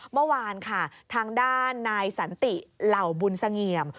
เมื่อวานค่ะทางด้านนายสันติเหล่าบุญเสงี่ยม